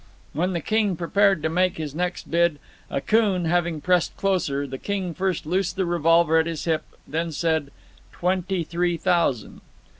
When the king prepared to make his next bid, Akoon having pressed closer, the king first loosed the revolver at his hip, then said: "Twenty three thousand."